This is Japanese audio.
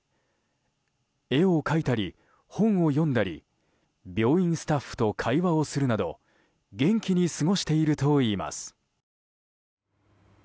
絵を描いたり本を読んだり病院スタッフと会話をするなど元気に過ごしているといいます。